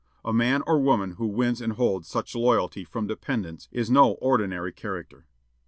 A man or woman who wins and holds such loyalty from dependents is no ordinary character.